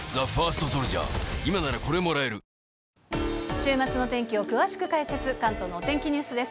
週末の天気を詳しく解説、関東のお天気ニュースです。